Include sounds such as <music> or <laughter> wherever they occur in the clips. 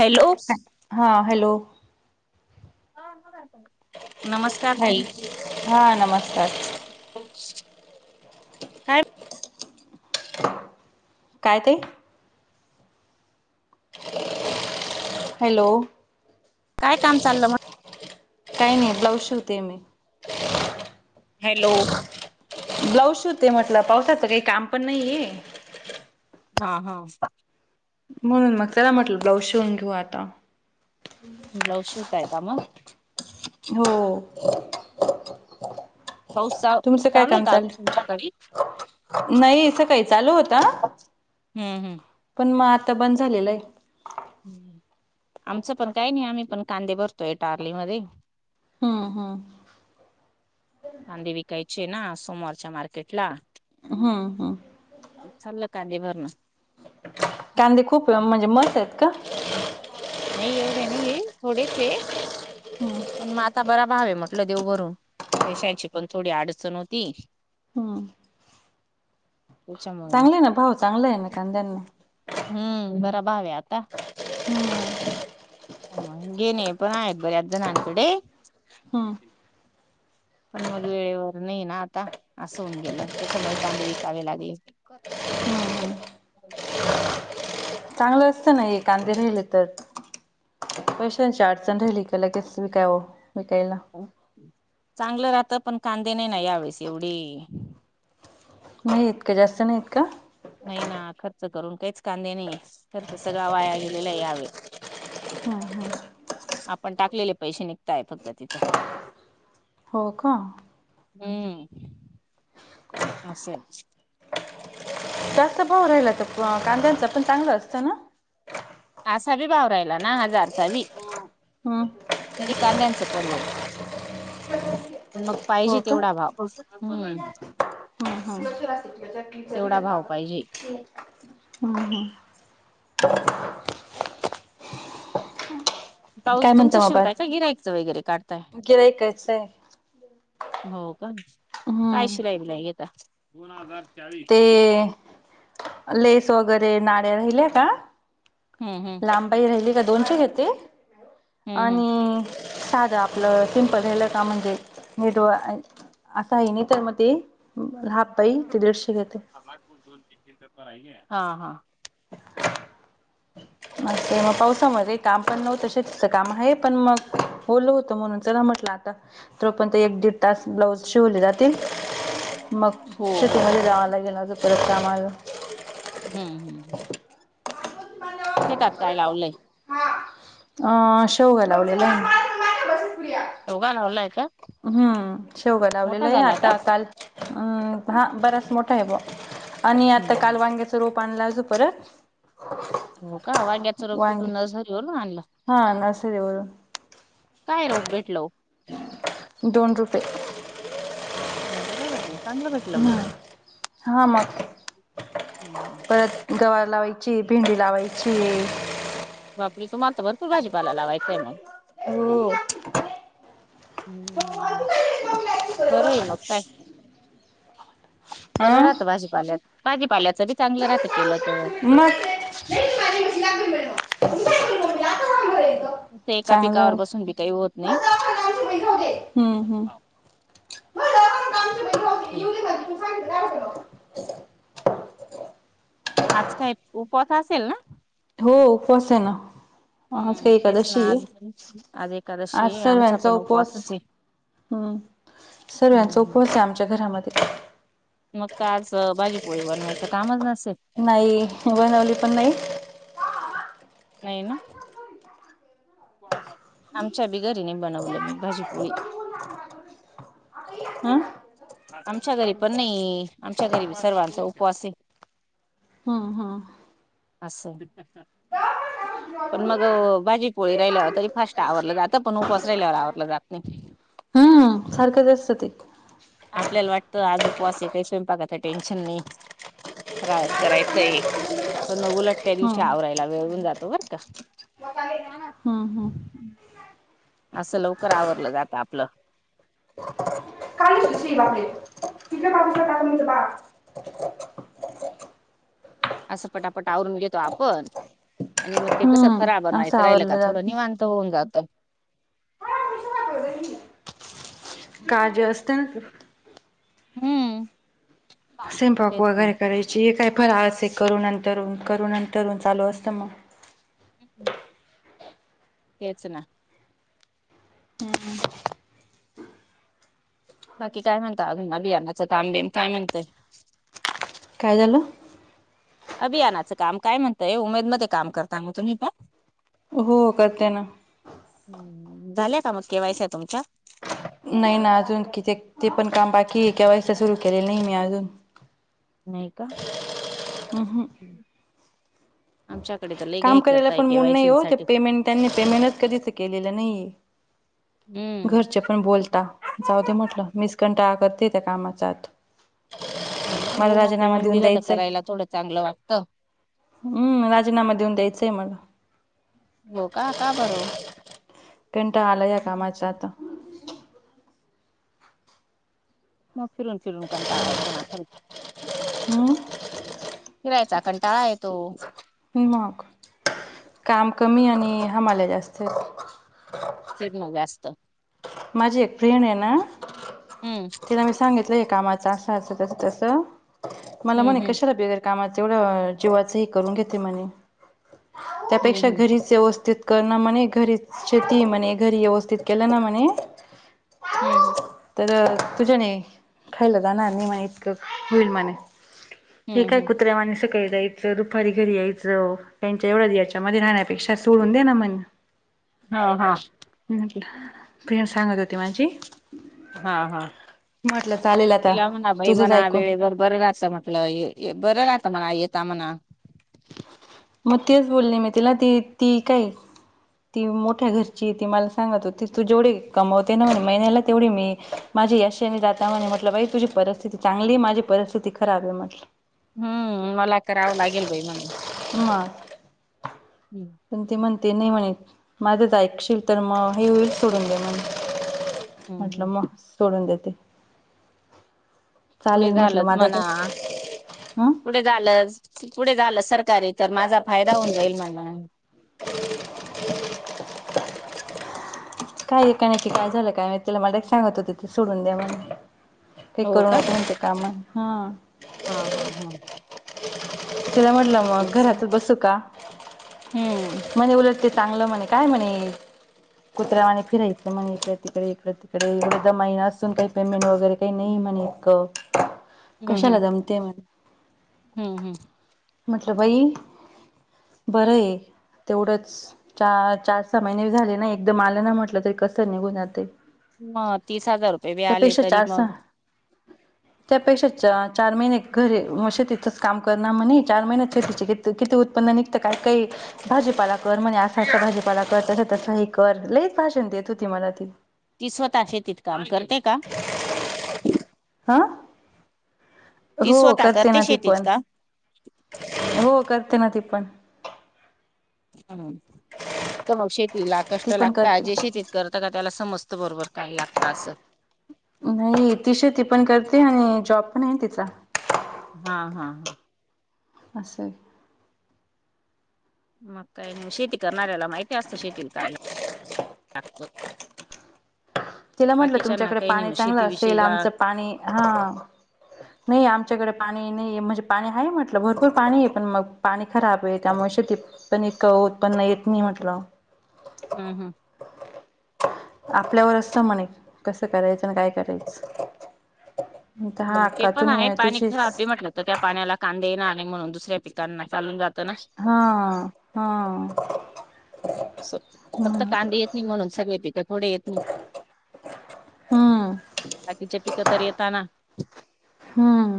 Hello. हां hello. नमस्कार ह ताई? हा नमस्कार काय काय ते? हॅलो. काय काम चालं म काय नायी ब्लाऊज शिवते मी. हॅलो. ब्लाऊज शिवते म्हटलं पावसाचें कायी काम पण नाहीये. हां हां. म्हणून मग चला म्हटलं ब्लाउज शिवून घेऊ आता. ब्लाऊज शिवताय काय मग? हों <inaudible> पाऊसाव चालूयं का तुमच्याकडी? नायी सकाळी चालू होता. हुं, हुं. पण मी आता बंद झालेलाय. आमचं पण कायी नायी आम्ही पण कांदे भरतोय टारली मध्ये. हुं हुं. कांदे विकायचे नां सोमवारच्या मार्केटला. हुं हुं. चालय कांदे भरणं. कांदे खूप ला म्हणजे मसयेतकि नायी एवढे नाहीयैं हे थोडेचहे हम्म पण मग आता बरा भाव म आपलं देव करुन पैशाची पण थोडी अडचण होती हम्म त्याच्यामुळे चांगलंयं ना भाव चांगलंय ना कांद्यांना हुं बरा भावयं आता. हुं. हं गेणे‌ पण हायं बराज जणांना कडे. हम्म पण मग वेळेवर नायी नां आता असहून गेलं त्याच्यामुळे कांदे विकावे लागले. <inaudible> चांगलं असतं ना हे कांदे राहिले तर पैशाची अडचण राहिली की, लगेच विकाव विकायला. चांगलं राहत. पण कांदे नाय न यावेेळेस एवढे नाहीयेत का जास्त नाहीयेत का? नाही ना खर्च करून काहीच कांदे नाहीये, खर्च सगळा वाया गेलेलाय यावेळेसं. <inaudible> आपण टाकलेले पैसे निघताय फक्त तिथं हो का हुं, असंय जास्त भाव राहिला त, कांद्यांचा पण चांगलं असतं ना असा बी भाव राहिला ना जारचा बी हू तरी कांद्यांचं परवडत. पण मग हो पाहिजे का तेवढा भाव, कसं हम्म तेवढा <unintelligible> भाव पाहिजे हं हं ब्लाऊज काय तुमच म्हणता मग शिवताय काय, बाकी गिरायकच वगैरे काढताय. गिऱ्हाईकाचं आहे हो का, काय हम्म शिलाई बिलाई घेता? दोन हजार ते लेस वगैरे नाड्या राहिल्या का हूं हूं <unintelligible> राहिली का दोनशे घेते. हम्म हम्म आणि साध आपलं सिंपल राहिल का म्हणजे, <unintelligible> असा हाय नी तर म ते राहापाई ते दिडशे घेते. समाज गुंतवून <unintelligible> हा हा मग ते म पावसामध्ये काम पण नव्हत. शेतीचं काम हाये. पण मग ओलं होतं म्हणून चला म्हटलं आता तोपर्यंत एक दीड तास ब्लाऊज शिवल जात ते. मग हो हो शेतीमध्ये जावाला गेला. त परत काम आल. हूं हूं हूं शेतात काय लावलंय? हा, अ शेवगा लावलेला आहे ना शेवगा लावलाय का? हां, शेवगा मोठा लावलेलाय, झाला का आता काल अ हा, बराच मोठा हाय बुवा आणि हम्म आता काल हम्म वांग्या रोप आणला अजून परत हो का, वाांग्याच रोप वांगे कुठून सरीवरन आणलं. हा नर्सरीवरून काय रोप भेटल ओ? दोन रुपये. दोन रुपये भेटलं. चांगलं भेटलं मग हम्म, हा मग हम्म हम्म. परत गवार लावायचीये, भेंडी लावायचीये. बापरे, तुम्हाला तर भरपूर भाजीपाला लावायचाय मग हो. हम्म, बरंय मग काय बरं अं राहतं भाजीपाल्यात, भाजीपाल्याचं बी चांगलं राहतं केलं त मग ते एका चांगलं पिकावर बसून बी काही होत नाही. <inaudible> हं हं <inaudible> आतुन <inaudible> आज काय, उपवास असेल ना? हो, उपवास आहे ना? आज हम्म काही तेच ना एकादशी आज आहे, आज आज एकादशी आहे आमचा सर्वांचा पण उपवास. उपवासच आहे. हं हम्म सर्वांचा हम्म. उपवास आहे आमच्या घरामध्ये मग आज भाजीपोळी बनवायचं कामच नसेल. नाही बनवली, पण नाही. काय ना? आमच्या बी घरी नाही बनवलं मी भाजीपोळी. हं आमच्या घरी पण नाही, आमच्या घरी सर्वांचा उपवास आहे. हं, हं. असं पण मग भाजी पोळी राहिल्यावर तरी फास्ट आवरलं जातं, पण उपवास राहिल्यावर आवरलं जात नाही. हम्म सारखंच असतं ते आपल्याला वाटतं, आज उपवास आहे, काही स्वयंपाकाचं काही टेन्शन नाही. फराळाच करायचंय. पण मग उलट त्या दिवशी हम्म आवरायला वेळ होऊन जातो, बरं का? हं, हं. असं लवकर आवरलं जातं आपलं. का <inaudible> <unintelligible> वांगे का <inaudible> <unintelligible> असं पटापट आवरून घेतो आपण आणि मग ते कसं, हम्म फराळ असं बनवायचं राहिलं का आवरलं थोडं जात. निवांत. त होऊन जातं. काळजी असते ना हं स्वयंपाक वगैरे करायचं, हे काय फराळ असं करून, नंतर करू, नंतर करू चालू असतं मग. हं, तेच ना हं बाकी काय म्हणता, अजून अभियानाचं कामबिम काय म्हणतंय? काय झालं? अभियानाचं काम काय म्हणतंय, उमेदमध्ये काम करता मग तुम्ही पण? हो, करते ना. झाल्या का मग केवायस्या तुमच्या? नाही ना, अजून कित्येक ते पण काम बाकी आहे, केवायसी सुरू केलेली नाही मी अजून. नाही का? अहं. हं आमच्याकडे त काम करायला पण मूड नाही हो, ते पेमेंट त्यांनी पेमेंटच कधी तर केलेलं नाहीये. हम्म घरचेपण बोलता जाऊ दे म्हटलं, मीच कंटाळा करते त्या कामाचा आता. हो ना, मला हो मग राजीनामा पेमेंट दिलं तर करायला थोडं चांगलं वाटतं. हं राजीनामा देऊन द्यायचंय मला हो का? का बरं वो, हं? बस आता मग फिरून- फिरून कंटाळा येतो ना, खरंच. अं. फिरायचा कंटाळा येतो. मग. काम कमी आणि, हमाल्या जास्तयत. फिरणं बी आसतं. माझी एक फ्रेंडय ना, हम्म तिला मी सांगितलंय कामाचं असं- असं, तसं- तसं. मला म्हने, हम्म हम्म कशाला बिगर कामाचं एवढं, जीवाच ही करून घेते म्हने. हम्म त्यापेक्षा घरीच व्यवस्थित कर ना म्हणे. घरी शेतीय म्हणे. घरी व्यवस्थित केलं ना, म्हणे हं, हं. तर तुझ्याने, खायला जाणार नाही मने इतकं, होईल मणे. हे हम्म काय हम्म कुत्र्यावाणी. सकाळी जायचं, दुपारी घरी यायचं. त्यांच्या एवढ याच्यामध्ये राहण्यापेक्षा, सूडून दे ना मन. ह, हा. म्हटलं. फ्रेंड सांगत होती माझी. हा, हा. म्हटलं चालेल आता तिला म्हणा बाई तुझंच म्हणा, ऐकून. वेळेवर बरं रास मग. आपलं ये - ये बरं राता म्हणा. येता म्हणा. मग तेच बोलले मी तिला. ती, ती काय ती मोठ्या घरचीय. ती मला सांगत होती, तू जेवढी कमवते न म्हणे, महिन्याला तेवढी मी माझी याशाने जाता म्हनी. म्हटलं बाई तुझी, परिस्थिती चांगलीय. माझी परिस्थिती खराबय म्हटलं. हम्म, मला करावं लागेल बाई मनलं. मग हम्म. पण ते म्हणते, नाही म्हणे, माझं तर ऐकशील तर मग हे होईल. सोडून दे म्हण. म्हटलं, म सोडून देते. पुढे चालेल म्हटलं झालंच माझा मना. काय हं पुढे झालं, पुढे झालं सरकारी तर, माझा फायदा होऊन जाईल मना. काय, काय माहिती, काय झालय काय माहिती तिला. मला एक सांगत होते. ते सोडून द्या म्हने. ते हो करू नको मणते कामं. ह. हां, हां, हां. तिला म्हटलं मग, घरातच बसू का? हम्म म्हणे उलट ते चांगलं म्हणे. काय म्हणे तर मने फिरायलं मग इकडे तिकडे, इकडं तिकडे. इडे द महिन असून, काही पेमेंट वगैरे काही नाही म्हण इतकं. हम्म, कशाला हम्म. जमते म्हण हम्म, हम्म. म्हटलं बाई बरंय तेवढंच. चा चार सहा महिने बी झाले नाही मला ना म्हटलं तरी, कसं निघून जातय. म तीस हजार रुपये बी आले, तरी चार सहा मग त्यापेक्षा च चार महिने घरी म शेतीथंच काम कर ना म्हने. चार महिने शेतीचे किती किती उत्पन्न निघतं. काय काही भाजीपाला कर म्हणे. असा- असा भाजीपाला कर. तसं- तसं ही कर. लईच भाषण देत होती, मला ती. ती स्वतः शेतीत काम करते का? ह. ती स्वतः करती ना ती शेतीत पण काम. हो. करते ना, ती पण. हम्. त मग शेतीला ती कष्ट पण लागता. करते जे शेतीत करतं का, त्याला समजत बरोबर काय लागत, असं न्हाई ती शेती पण करते आणि जॉब पण तिचा. हा हा हा. असंय. मग काय नायी, शेती करणाऱ्याला माहिती असतं शेतीला काय लागतं. तिला म्हटलं बाकीच्यांना तुमच्याकडे काही नाही पाणी मग चांगलं असेल, शेतीविषयीला आमचं पाणी, हाआ. न्हाई, आमच्याकडे पाणी नाईये, म्हणजे पाणी हाय म्हंटलं भरपूर पाणी आहे पण मग पाणी खराबय त्यामुळे शेतीत पण इतकं उत्पन्न येत नाही म्हटलं. अंह आपल्यावर अस त् म्हणे कसं करायचं अन काय करायचं? तर हा हम, ते अक्का पण आहे तुनी पाणी तुझीच <unintelligible> ली म्हटलेत. त त्या पाण्याला कांदे येणार नाई म्हणून दुसऱ्या पिकांना चालून जातं ना? हाआ, हाआ. सच फक्त कांदे येतील म्हणून सगळे पिकं थोडे येतील? हम्म बाकीचे पिकं तर येेता ना? हं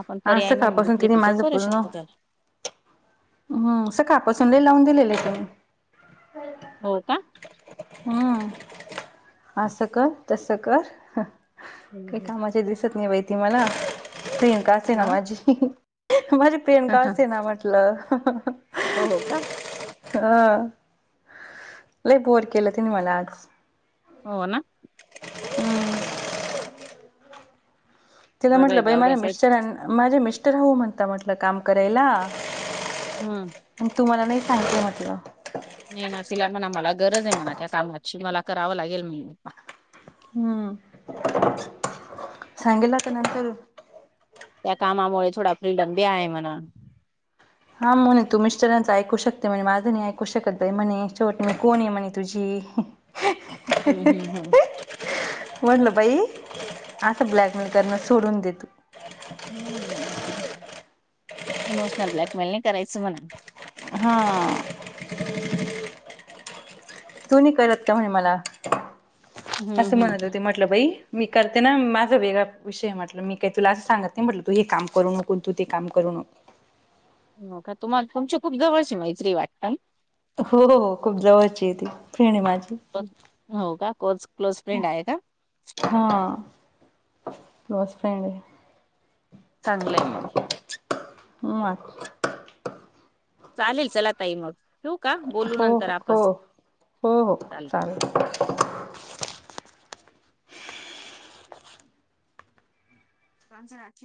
आपण पर्याय म्हणून कापासून दुसरी तिने पिकं माझं करू शकतो तर? म् सकापासून लय लावून दिलेलेत त्यानी. हो का? हं, असं का? तसं का? हअ हम्म काही हम्म. कामाचे दिसत नाही बाई ती मला, फ्रेंड का असेना मग माझी इहीही माझी फ्रेंड का असे ना म्हटलं. हो हो काड. <inaudible> हं. लई बोर केलं तिनं मला आज. हो ना? हम्म हं तिला बरं आहे म्हटलं बाई जाऊ दे माझ्या असंच मिस्टरांन माझे मिस्टर हो म्हंता म्हणलं काम करायला. हम्म. म तुम्हाला नाही सांगिते म्हंटलं नाही न त्सिला म्हणा मला गरजहे म्हणा त्या कामाची मला करावं लागेल म्ही हम्म, सांगेल आता नंतर त्या कामामुळे थोडा फ्रीडम बी आहे म्हणा. हां म्हणे तू मिस्टरचं ऐकू शकते म्हणे, माझं नाही ऐकू शकत बाई म्हणे, शेवट मी कोणंय म्हणे तुझी. ह्ह हम्म हम्म हम्म. हह हअ म्हटलं बाई, आसं ब्लॅकमेल करणं सोडून दे तू. हं, इमोशनल ब्लॅकमेल नाही करायचं म्हणा. हाआ. तू नै कलत का म्हणे मला, हम्म असं म्हणत हम्म होती मल म्हटलं बाई, मी करते ना, माझा वेगळा विषय म्हटलं मी काही तुला असं सांगत नाही म्हटलं तू हे काम करू न पन तू ते काम करू नकॉ न का? तुम्हाला तुमची खूप जवळची मैत्रीय वाटतं? हो हो खूप जवळचीय ती, फेणय माझी. पण हो का? कोज क्लोज फ्रेंड आहे का? हाआ, क्लोज फ्रेंडय. चांगलंय मंग. हम्मं अं मंग. चालेल चलां ताई मंग ठेऊं कां बोलूं हो नंतर आपणं हो हो हो चालेल. आमचं राखीव